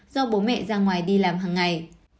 do bố mẹ ra ngoài đi làm hằng ngày